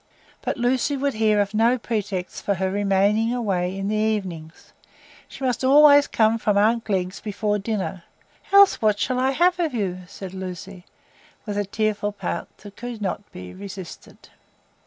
But Lucy would hear of no pretext for her remaining away in the evenings; she must always come from aunt Glegg's before dinner,—"else what shall I have of you?" said Lucy, with a tearful pout that could not be resisted.